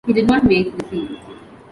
He did not make the field.